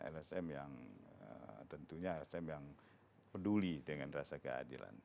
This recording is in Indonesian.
lsm yang tentunya peduli dengan rasa keadilan